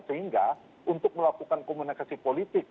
sehingga untuk melakukan komunikasi politik